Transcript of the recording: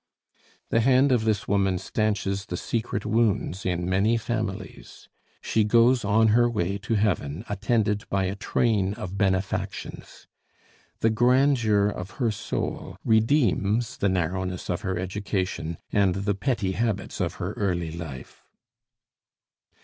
The hand of this woman stanches the secret wounds in many families. She goes on her way to heaven attended by a train of benefactions. The grandeur of her soul redeems the narrowness of her education and the petty habits of her early life.